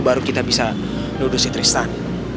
baru kita bisa nuduh si tristan